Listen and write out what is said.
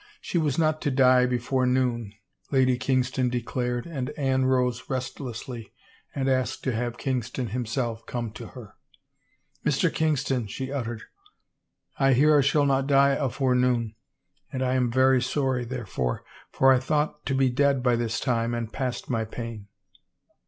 She was not to die befoVe noon, Lady Kingston declared and Anne rose restlessly, and asked to have Kingston himself come to her. " Mr. Kingston," she uttered, " I hear I shall not die afore noon, and I am very sorry therefore, for I thought to be dead by this time and past my pain."